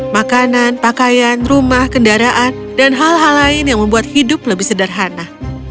makanan pakaian rumah kendaraan dan hal hal lain yang membuat hidup lebih sederhana